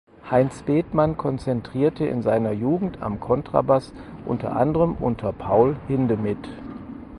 Heinz Bethmann konzertierte in seiner Jugend am Kontrabass unter anderem unter Paul Hindemith.